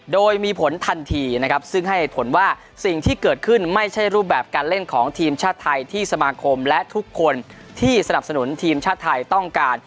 โดยมีผลทันทีนะครับซึ่งให้ผลว่าสิ่งที่เกิดขึ้นไม่ใช่รูปแบบการเล่นของทีมชาติไทยที่สมาคมและทุกคนที่สนับสนุนทีมชาติไทยต้องการ